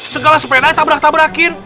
segala sepedanya tabrak tabrakin